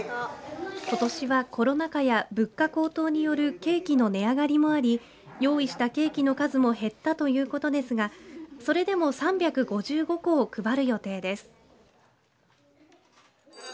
ことしはコロナ禍や物価高騰によるケーキの値上がりもあり用意したケーキの数も減ったということですがそれでも３５５個を配る予定です。